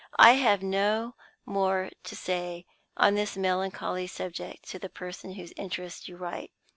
I have no more to say on this melancholy subject to the person in whose interest you write.